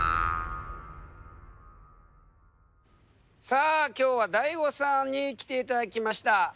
さあ今日はＤＡＩＧＯさんに来ていただきました。